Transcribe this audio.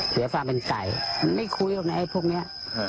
เหลือฟ้าเป็นไก่มันไม่คุยว่าไงพรุ่งนี้